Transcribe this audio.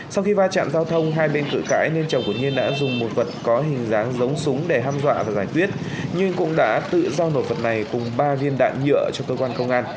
sau khi va chạm giao thông hai bên cự cãi nên chồng của nghiên đã dùng một vật có hình dáng giống súng để hâm dọa và giải quyết nhưng cũng đã tự giao nộp vật này cùng ba viên đạn nhựa cho cơ quan công an